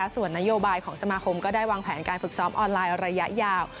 ส่วนนโยบายของสมาคมก็ได้วางแผนการฝึกซ้อมออนไลน์ระยะยาว